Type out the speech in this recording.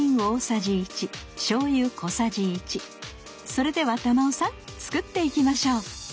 それでは珠緒さん作っていきましょう